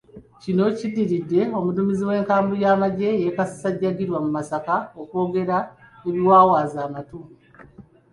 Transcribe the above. Kino kiddiridde omuduumizi w'enkambi y'amagye e Kasajjagirwa mu Masaka okwogera ebiwawaaza amatu.